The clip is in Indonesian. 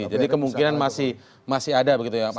jadi kemungkinan masih ada begitu ya pak ahok